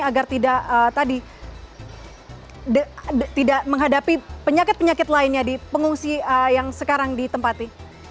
agar tidak menghadapi penyakit penyakit lainnya di pengungsi yang sekarang ditempati